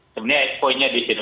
sebenarnya ekspo nya di sini